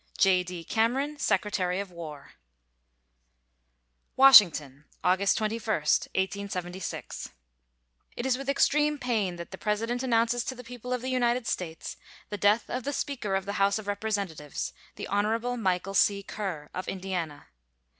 J.D. CAMERON, Secretary of War. WASHINGTON, August 21, 1876. It is with extreme pain that the President announces to the people of the United States the death of the Speaker of the House of Representatives, the Hon. Michael C. Kerr, of Indiana.